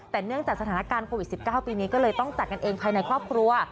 แต่เนื่องจากสถานการณ์โควิด๑๙ปีนี้ก็เลยต้องจัดกันเองภายในครอบครัว